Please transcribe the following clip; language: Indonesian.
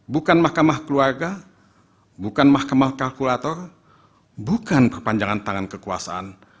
bukan mahkamah keluarga bukan mahkamah kalkulator bukan perpanjangan tangan kekuasaan